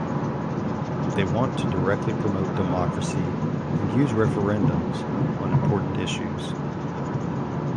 They want to directly promote democracy and use referendums on important issues.